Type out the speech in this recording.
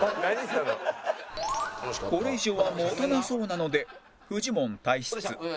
これ以上は持たなそうなのでフジモン退出